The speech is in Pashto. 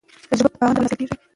تجربه په تاوان ترلاسه کیږي.